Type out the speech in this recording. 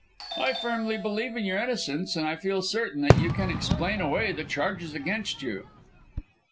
"I firmly believe in your innocence, and I feel certain that you can explain away the charges against you."